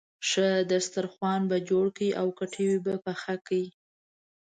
ښه دسترخوان به جوړ کړې او کټوۍ به پخه کړې.